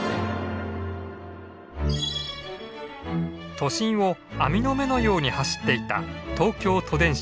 都心を網の目のように走っていた東京都電車。